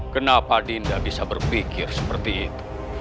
kenapa dinda bisa berpikir seperti itu